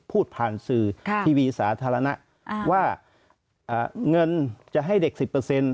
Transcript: พูดผ่านสื่อค่ะทีวีสาธารณะอ่าว่าอ่าเงินจะให้เด็กสิบเปอร์เซ็นต์